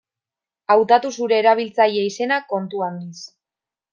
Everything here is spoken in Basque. Hautatu zure erabiltzaile-izena kontu handiz.